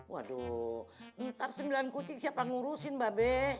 waduh bentar sembilan kucing siapa ngurusin mbak beli